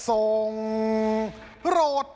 ทสงงงามทโพราท